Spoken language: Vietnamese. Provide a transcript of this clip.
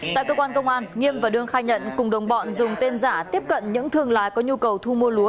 tại công an nghiêm và đường khai nhận cùng đồng bọn dùng tên giả tiếp cận những thương lái có nhu cầu thu mua lúa